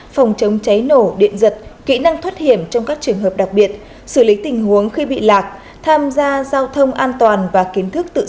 phòng chống cháy nổ điện giật kỹ năng thoát hiểm trong các trường hợp đặc biệt xử lý tình huống khi bị lạc tham gia giao thông an toàn và kiến thức tự giác